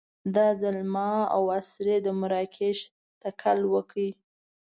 دا ځل ما او اسرې د مراکش تکل وکړ.